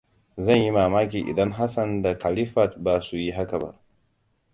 Zan yi mamaki idan Hassan da Khalifat ba su yi haka ba.